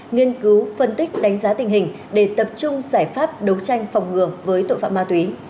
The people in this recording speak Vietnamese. nghiên cứu phân tích đánh giá tình hình để tập trung giải pháp đấu tranh phòng ngừa với tội phạm ma túy